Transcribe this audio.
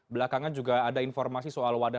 belakangan juga ada informasi soal wadah